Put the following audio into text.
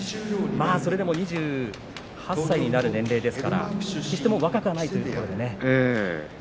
それでも２８歳になる年齢ですから、どうしても若くはないですね。